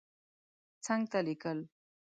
څنګ ته لیکل